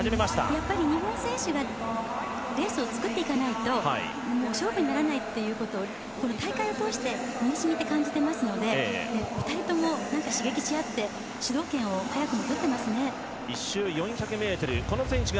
やっぱり日本選手がレースを作っていかないと勝負にならないということを大会を通して身にしみて感じていますので２人とも刺激し合って主導権を早くもとってますね。